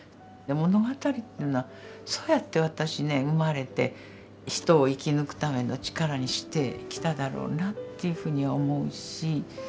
物語というのはそうやって私ね生まれて人を生き抜くための力にしてきただろうなというふうに思うし。